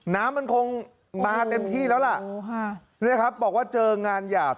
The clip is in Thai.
น้ำมันคงมาเต็มที่แล้วล่ะเนี่ยครับบอกว่าเจองานหยาบ